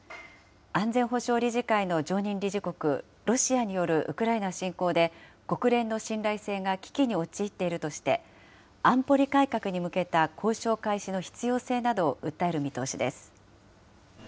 安全保障理事会の常任理事国、ロシアによるウクライナ侵攻で、国連の信頼性が危機に陥っているとして、安保理改革に向けた交渉開始の必要性などを訴える見通しです。